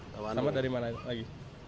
sampah dari mana lagi